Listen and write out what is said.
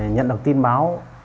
nhận được tin báo